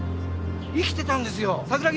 生きてたんですよ桜木！